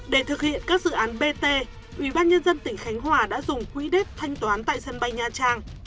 để thực hiện các dự án bt ubnd tỉnh khánh hòa đã dùng quỹ đất thanh toán tại sân bay nha trang